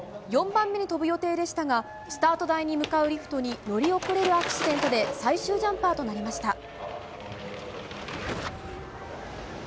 ４番目に飛ぶ予定でしたがスタート台に向かうリフトに乗り遅れるアクシデントで最終ジャンパーとなりました。